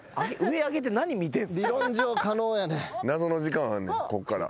謎の時間あんねんこっから。